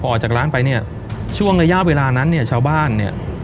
ออกจากร้านไปเนี่ยช่วงระยะเวลานั้นเนี่ยชาวบ้านเนี่ย